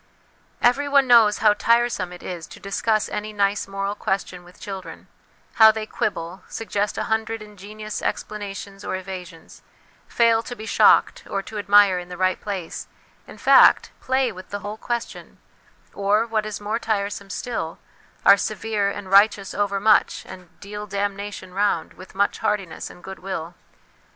Everyone knows how tiresome it is to discuss any nice moral question with children ; how they quibble, suggest a hundred ingenious explana tions or evasions, fail to be shocked or to admire in the right place in fact, play with the whole ques tion ; or, what is more tiresome still, are severe and righteous overmuch, and 'deal damnation round' with much heartiness and goodwill.